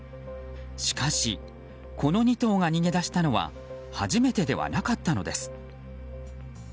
しかしこの２頭が逃げ出したのは初めてではなかったのです。